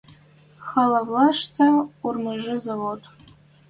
Халавлӓштӹ урмыжы завод.